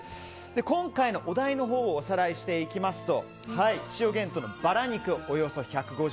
今回のお題のほうをおさらいしていきますと千代幻豚のバラ肉